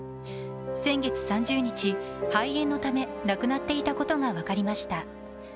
先月３０日、肺炎のため亡くなっていたことが分かりました。